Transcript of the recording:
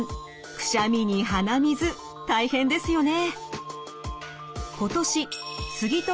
くしゃみに鼻水大変ですよね。